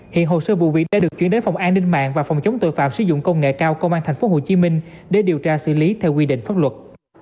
hiện hồ sơ vụ việc đã được chuyển đến phòng an ninh mạng và phòng chống tội phạm sử dụng công nghệ cao công an tp hcm để điều tra xử lý theo quy định pháp luật